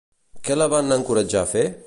Què la van encoratjar a fer?